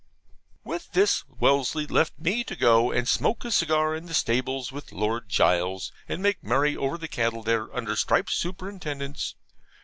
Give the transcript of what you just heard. With this Wellesley left me to go and smoke a cigar in the stables with Lord Gules, and make merry over the cattle there, under Stripes's superintendence.